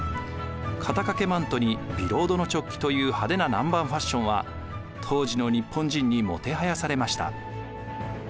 肩掛けマントにビロードのチョッキという派手な南蛮ファッションは当時の日本人にもてはやされました。